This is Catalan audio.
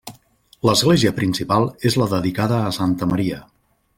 L'església principal és la dedicada a santa Maria.